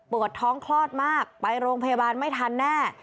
ท้องคลอดมากไปโรงพยาบาลไม่ทันแน่